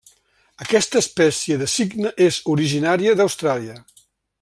Aquesta espècie de cigne és originària d'Austràlia.